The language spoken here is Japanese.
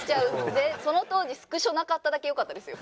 その当時スクショなかっただけよかったですよ。